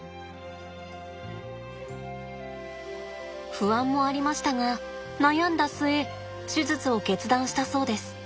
不安もありましたが悩んだ末手術を決断したそうです。